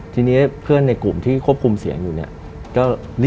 ทีนี้เพื่อนในกลุ่มที่ควบคุมเสียงอยู่เนี่ย